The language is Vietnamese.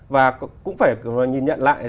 và cũng phải nhìn nhận lại